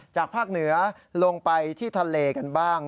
จากภาคเหนือลงไปที่ทะเลกันบ้าง